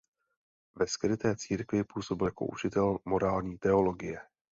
Ve skryté církvi působil jako učitel morální teologie.